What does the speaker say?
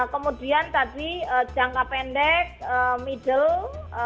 kemudian tadi jangka pendek middle